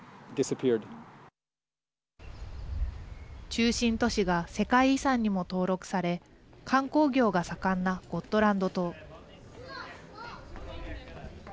中心都市が世界遺産にも登録され観光業が盛んなゴットランド島。